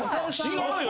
違うよ。